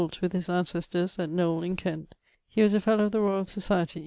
with his ancestors at Knoll in Kent. He was a fellow of the Royall Societie.